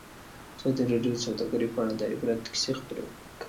ازادي راډیو د سوداګري په اړه د عبرت کیسې خبر کړي.